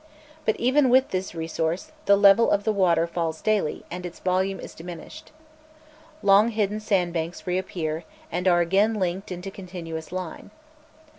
But, even with this resource, the level of the water falls daily, and its volume is diminished. Long hidden sandbanks reappear, and are again linked into continuous line.